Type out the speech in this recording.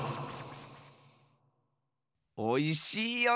おいしいよねえ。